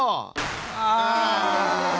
ああ。